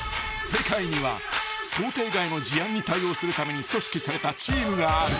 ［世界には想定外の事案に対応するために組織されたチームがある］